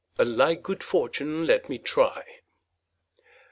'A like good fortune let me try.'